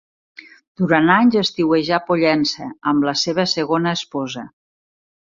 Durant anys estiuejà a Pollença amb la seva segona esposa.